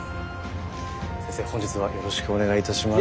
先生本日はよろしくお願いいたします。